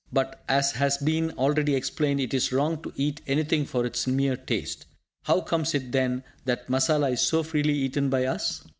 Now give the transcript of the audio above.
But, as has been already explained, it is wrong to eat anything for its mere taste. How comes it, then, that masala is so freely eaten by us?